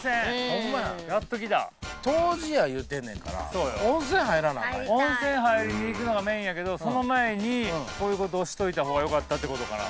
ホンマややっときた湯治やいうてんねんから温泉入らなアカンやん温泉入りに行くのがメインやけどその前にこういうことをしといた方がよかったってことかな？